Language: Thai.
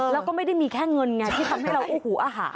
แล้วก็ไม่ได้มีแค่เงินไงที่ทำให้เราโอ้โหอาหาร